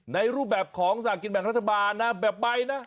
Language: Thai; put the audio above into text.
รูปแบบของสลากกินแบ่งรัฐบาลนะแบบใบนะ